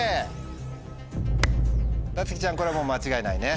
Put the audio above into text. なつきちゃんこれはもう間違いないね。